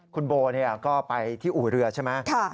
คุณโบก็ไปที่อู่เรือใช่ไหม